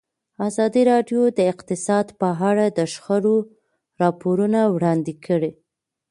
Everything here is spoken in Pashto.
ازادي راډیو د اقتصاد په اړه د شخړو راپورونه وړاندې کړي.